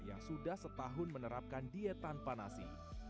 yang sudah setahun menerapkan diet tanpa nasi